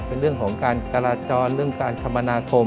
เป็นเรื่องของการจราจรเรื่องการคมนาคม